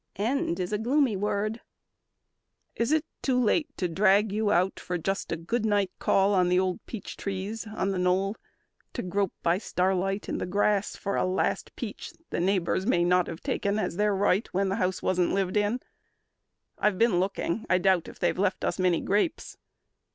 "End is a gloomy word." "Is it too late To drag you out for just a good night call On the old peach trees on the knoll to grope By starlight in the grass for a last peach The neighbors may not have taken as their right When the house wasn't lived in? I've been looking: I doubt if they have left us many grapes.